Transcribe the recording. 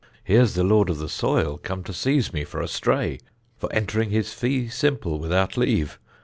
_ Here's the lord of the soil come to seize me for a stray, for entering his fee simple without leave.